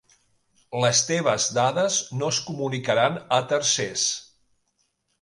Les teves dades no es comunicaran a tercers.